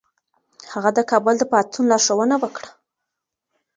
هغه د کابل د پاڅون لارښوونه وکړه.